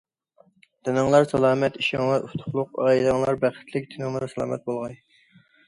تېنىڭلار سالامەت، ئىشىڭلار ئۇتۇقلۇق، ئائىلەڭلار بەختلىك، تېنىڭلار سالامەت بولغاي!